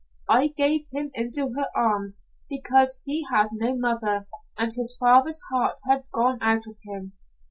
I gave him into her arms because he had no mother and his father's heart had gone out of him.